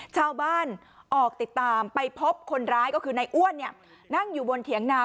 ชาวบ้านออกติดตามไปพบคนร้ายก็คือในอ้วนนั่งอยู่บนเถียงนา